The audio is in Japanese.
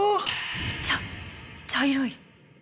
ちゃ茶色い！